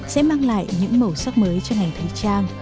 sẽ mang lại những màu sắc mới cho ngành thời trang